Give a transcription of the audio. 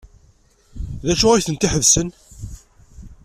D acu ay tent-iḥebsen?